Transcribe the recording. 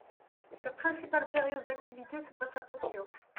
Sa principale période d'activité se passe à Tokyo.